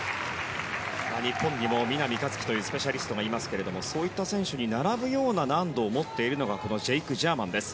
日本にも南一輝というスペシャリストがいますがそういった選手に並ぶような難度を持っているのがこのジェイク・ジャーマンです。